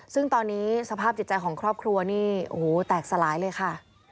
ซึ่งตอนนี้สภาพจิตใจของครอบครัวนี่โอ้โหแตกสลายเลยค่ะ